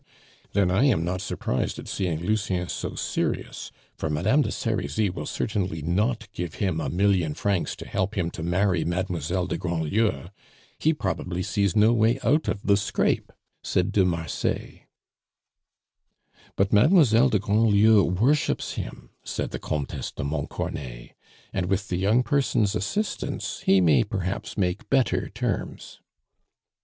"Then I am not surprised at seeing Lucien so serious; for Madame de Serizy will certainly not give him a million francs to help him to marry Mademoiselle de Grandlieu. He probably sees no way out of the scrape," said de Marsay. "But Mademoiselle de Grandlieu worships him," said the Comtesse de Montcornet; "and with the young person's assistance, he may perhaps make better terms."